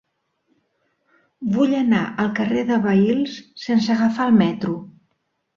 Vull anar al carrer de Vehils sense agafar el metro.